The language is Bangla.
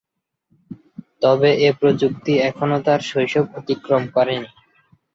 তবে এ প্রযুক্তি এখনো তার শৈশব অতিক্রম করেনি।